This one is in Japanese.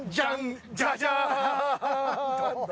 ジャジャーン！